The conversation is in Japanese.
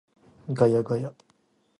ガヤガヤ